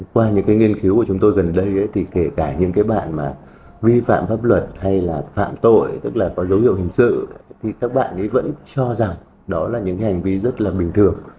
qua những cái nghiên cứu của chúng tôi gần đây thì kể cả những cái bạn mà vi phạm pháp luật hay là phạm tội tức là có dấu hiệu hình sự thì các bạn ấy vẫn cho rằng đó là những hành vi rất là bình thường